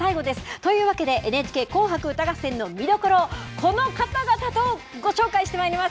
というわけで、ＮＨＫ紅白歌合戦の見どころ、この方々とご紹介してまいります。